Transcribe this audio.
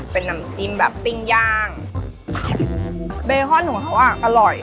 เป็นน้ำจิ้มแบบปิ้งย่างเบคอนหนูเขาอ่ะอร่อย